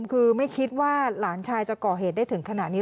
คือไม่คิดว่าหลานชายจะก่อเหตุได้ถึงขนาดนี้